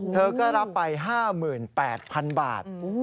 เธอก็รับไป๕๘๐๐๐บาท